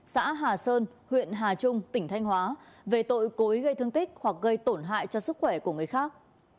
xã hà sơn huyện hà trung tỉnh thanh hóa về tội cối gây thương tích hoặc gây tổn hại cho sức khỏe của người khác